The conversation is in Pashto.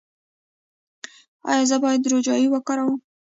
ایا زه باید روجايي وکاروم؟